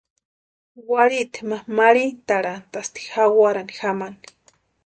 Warhiti ma marhitʼarantʼasti jawarani jamani.